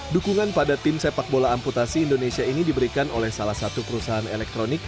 dukungan pada tim sepak bola amputasi indonesia ini diberikan oleh salah satu perusahaan elektronik